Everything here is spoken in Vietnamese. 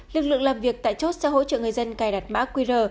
lực lượng làm việc tại chốt sẽ hỗ trợ người dân cài đặt mã qr